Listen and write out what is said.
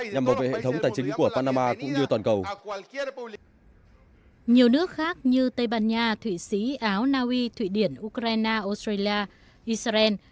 nhiều nước khác như tây ban nha thụy sĩ áo naui thụy điển ukraine australia israel